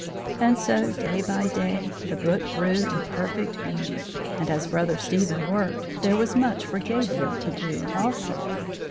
And so, day by day, the book grew in perfect beauty. And as Brother Stephen worked, there was much for Gabriel to do also.